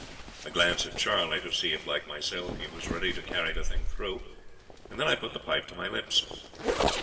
"A glance at Charley, to see if, like myself, he was ready to carry the thing through, and then I put the pipe to my lips.